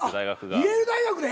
イェール大学で！？